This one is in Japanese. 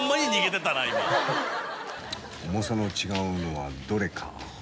重さの違うのはどれか。